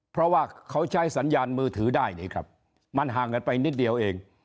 เพราะว่าเขาใช้สัญญาณมือถือได้นี่ครับมันห่างกันไปนิดเดียวเอง